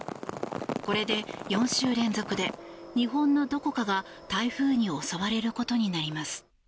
これで４週連続で日本のどこかが台風に襲われることになります。